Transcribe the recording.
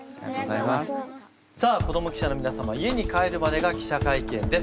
さあ子ども記者の皆様家に帰るまでが記者会見です。